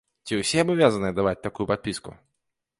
Ці ўсе абавязаныя даваць такую падпіску?